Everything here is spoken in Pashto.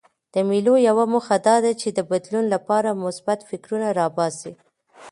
د مېلو یوه موخه دا ده، چي د بدلون له پاره مثبت فکرونه راباسي.